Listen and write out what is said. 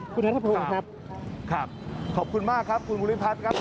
คุณนัทพงศ์ครับครับขอบคุณมากครับคุณบุริพัฒน์ครับ